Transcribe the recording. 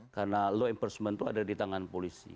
karena law enforcement itu ada di tangan polisi